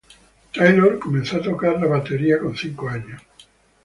Taylor comenzó a tocar la batería con cinco años.